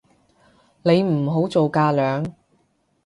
你唔好做架樑